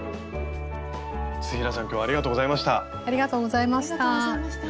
土平さん今日ありがとうございました。